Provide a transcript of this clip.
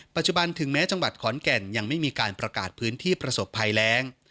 ถึงแม้จังหวัดขอนแก่นยังไม่มีการประกาศพื้นที่ประสบภัยแรง